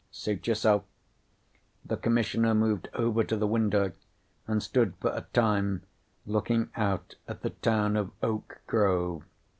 "Suit yourself." The Commissioner moved over to the window and stood for a time looking out at the town of Oak Grove.